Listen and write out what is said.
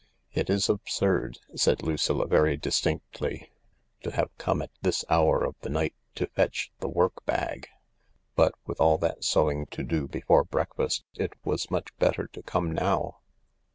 "It is absurd," said Lucilla, very distinctly, "to have come at this hour of the night to fetch the work bag. But with all that sewing to do before breakfast, it was much better to come now."